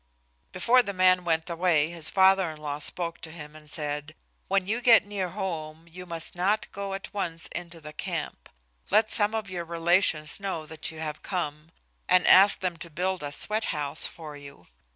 Before the man went away his father in law spoke to him and said, "When you get near home you must not go at once into the camp. Let some of your relations know that you have come, and ask them to build a sweat house for you.